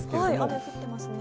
雨降ってますね。